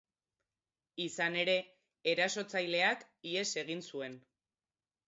Izan ere, erasotzaileak ihes egin zuen.